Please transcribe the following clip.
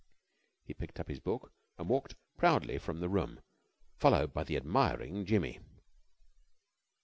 He picked up his book and walked proudly from the room followed by the admiring Jimmy.